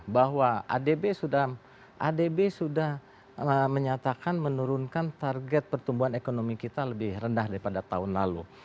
bahwa adb sudah menyatakan menurunkan target pertumbuhan ekonomi kita lebih rendah daripada tahun lalu